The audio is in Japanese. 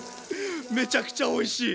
めちゃくちゃおいしい！